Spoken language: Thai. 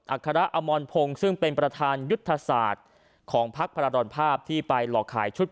คาระอมรพงศ์ซึ่งเป็นประธานยุทธศาสตร์ของพักพระราดรภาพที่ไปหลอกขายชุด